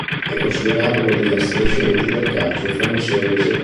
È considerato uno degli astri nascenti del calcio francese.